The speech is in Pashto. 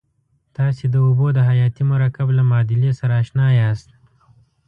تاسې د اوبو د حیاتي مرکب له معادلې سره آشنا یاست.